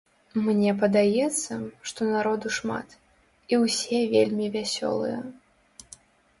Мне падаецца, што народу шмат, і ўсе вельмі вясёлыя.